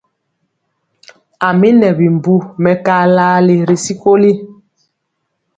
A mi nɛ bimbu mɛkalali ri sikoli.